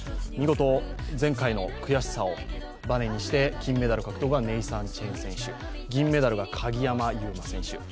見事前回の悔しさをばねにして金メダル獲得はネイサン・チェン選手、銀メダルが鍵山優真選手。